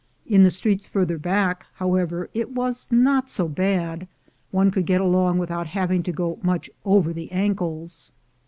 In the streets farther back, hov/ever, it was not so bad; one could get along v/ithout having to go much over the ankles.